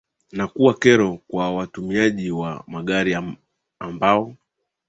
na kuwa kero kwa watumiaji wa magari ambao